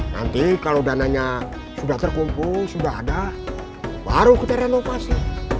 nanti kalau dananya sudah terkumpul sudah ada baru kita renovasi